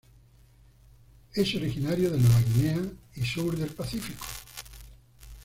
Es originario de Nueva Guinea y sur del Pacífico.